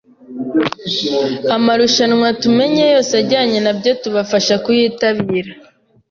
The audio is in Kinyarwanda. amarushanwa tumenye yose ajyanye nabyo tubafasha kuyitabira,